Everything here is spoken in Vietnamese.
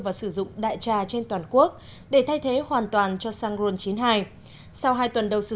và sử dụng đại trà trên toàn quốc để thay thế hoàn toàn cho xăng ron chín mươi hai sau hai tuần đầu sử